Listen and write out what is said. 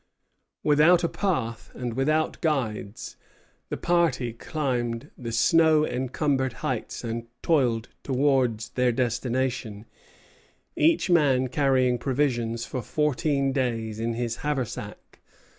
Without a path and without guides, the party climbed the snow encumbered heights and toiled towards their destination, each man carrying provisions for fourteen days in his haversack.